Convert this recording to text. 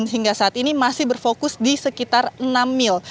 hingga saat ini masih berfokus di sekitar enam mil